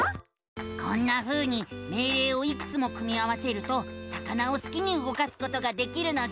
こんなふうに命令をいくつも組み合わせると魚をすきに動かすことができるのさ！